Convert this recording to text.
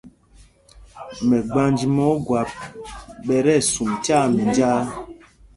Mɛgbanj mɛ Ogwap ɓɛ tí ɛsum tyaa minjāā.